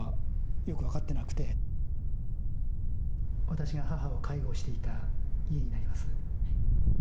私が母を介護していた家になります。